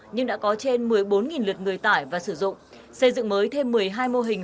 nhưng đã có trên một mươi bốn lượt người tải và sử dụng xây dựng mới thêm một mươi hai mô hình